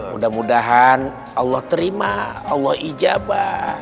mudah mudahan allah terima allah ijabah